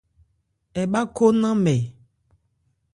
Ɛ́ bhâ khó nnánmɛ.